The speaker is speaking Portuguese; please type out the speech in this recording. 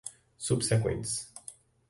subsequentes